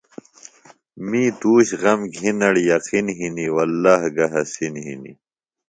می تُوش غم گِھنڑ یقین ہِنیۡ وﷲگہ حسِین ہِنیۡ۔